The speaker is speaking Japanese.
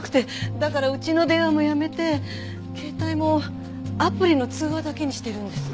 だからうちの電話もやめて携帯もアプリの通話だけにしてるんです。